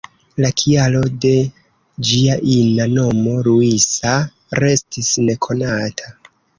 La kialo de ĝia ina nomo ""Luisa"" restis nekonata.